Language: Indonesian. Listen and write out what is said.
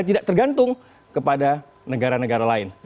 tidak tergantung kepada negara negara lain